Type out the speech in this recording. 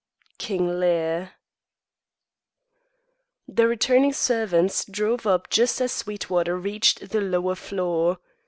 King Lear. The returning servants drove up just as Sweetwater reached the lower floor.